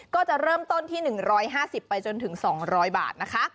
ก็จะเริ่มต้นที่๑๕๐ไปจนถึง๒๐๐บาทนะคะ